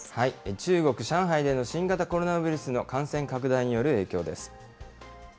中国・上海での新型コロナウイルスの感染拡大による影響です。